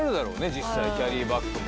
実際キャリーバッグも。